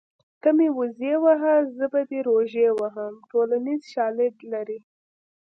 ته مې وزې وهه زه به دې روژې وهم ټولنیز شالید لري